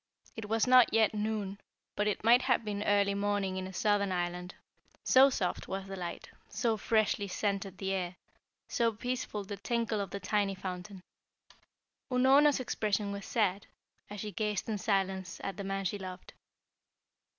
It was not yet noon, but it might have been early morning in a southern island, so soft was the light, so freshly scented the air, so peaceful the tinkle of the tiny fountain. Unorna's expression was sad, as she gazed in silence at the man she loved.